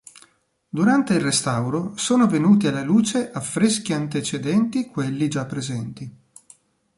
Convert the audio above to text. Durante il restauro sono venuti alla luce affreschi antecedenti quelli già presenti.